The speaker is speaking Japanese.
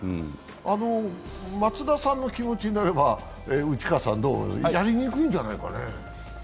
松田さんの気持ちになればやりにくいんじゃないかね？